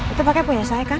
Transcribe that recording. itu pakai punya saya kan